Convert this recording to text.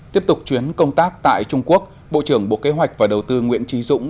tiếp tục chuyến công tác tại trung quốc bộ trưởng bộ kế hoạch và đầu tư nguyễn trí dũng